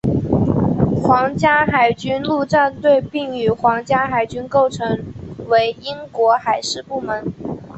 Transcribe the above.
皇家海军陆战队并与皇家海军构成为英国海事部门。